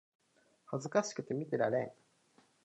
恥ずかしくて見てられん